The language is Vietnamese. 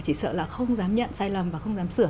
chỉ sợ là không dám nhận sai lầm và không dám sửa